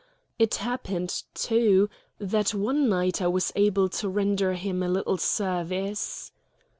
It happened, too, that one night I was able to render him a little service.